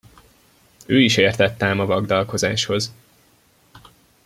Ő is értett ám a vagdalkozáshoz!